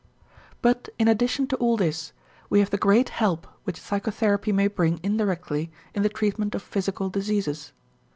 But in addition to all this, we have the great help which psychotherapy may bring indirectly in the treatment of physical diseases.